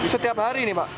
setiap hari ini pak